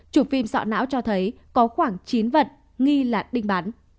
chủ phim sọ não cho thấy có khoảng chín vật nghi là đinh bắn